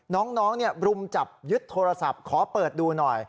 น้องรุมจับยึดโทรศัพท์ขอเปิดดูหน่อย